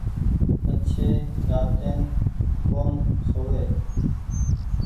پڇي راتين ڪون سووي